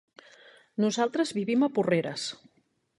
Nosaltres vivim a Porreres.